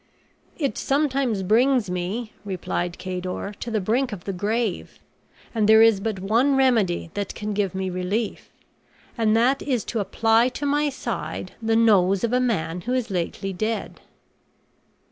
"It sometimes brings me," replied Cador, "to the brink of the grave; and there is but one remedy that can give me relief, and that is to apply to my side the nose of a man who is lately dead."